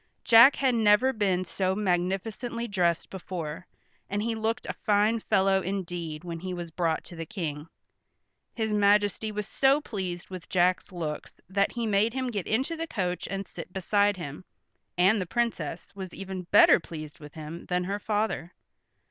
Jack had never been so magnificently dressed before, and he looked a fine fellow indeed when he was brought to the King. His majesty was so pleased with Jack's looks that he made him get into the coach and sit beside him, and the Princess was even better pleased with him than her father.